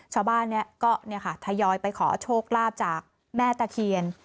ชาวบ้านเนี้ยก็เนี้ยค่ะทยอยไปขอโชคลาบจากแม่ตะเคียน